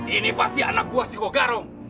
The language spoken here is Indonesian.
ini pasti anak buah singogaro